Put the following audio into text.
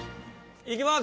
いきます！